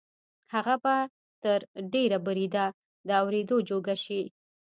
هغه به تر ډېره بریده د اورېدو جوګه شي